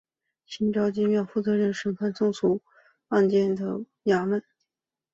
新召庙设有负责审判僧俗案件的衙门。